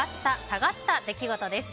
下がった出来事です。